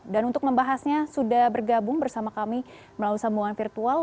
dan untuk membahasnya sudah bergabung bersama kami melalui sambungan virtual